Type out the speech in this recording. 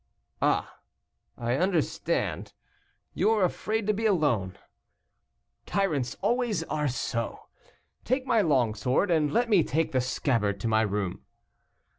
"Ah! I understand, you are afraid to be alone. Tyrants always are so. Take my long sword, and let me take the scabbard to my room."